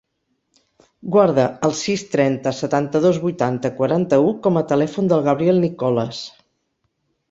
Guarda el sis, trenta, setanta-dos, vuitanta, quaranta-u com a telèfon del Gabriel Nicolas.